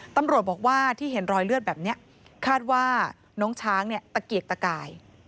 ตำรวจบอกว่าที่เห็นรอยเลือดแบบนี้คาดว่าน้องช้างเนี่ยตะเกียกตะกาย